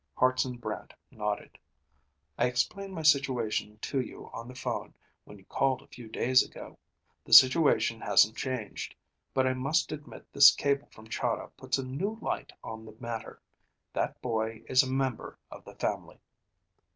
Hartson Brant nodded. "I explained my situation to you on the phone when you called a few days ago. The situation hasn't changed, but I must admit this cable from Chahda puts a new light on the matter. That boy is a member of the family."